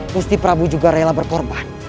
musti prap juga rela berkorban